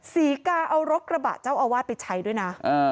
ศรีกาเอารถกระบะเจ้าอาวาสไปใช้ด้วยนะ